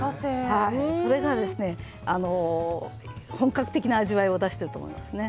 それが本格的な味わいを出してると思います。